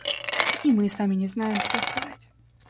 И мы сами не знаем, что сказать.